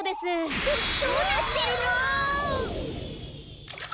どどうなってるの！？